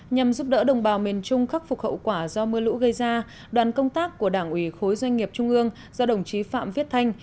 nhằm giúp đỡ đồng bào miền trung khắc phục hậu quả do mưa lũ gây ra đoàn công tác của đảng ủy khối doanh nghiệp trung ương do đồng chí phạm viết thanh